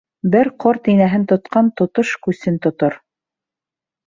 Бер ҡорт инәһен тотҡан тотош күсен тотор.